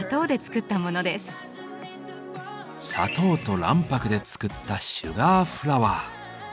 砂糖と卵白で作った「シュガーフラワー」。